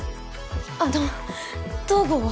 あの東郷は？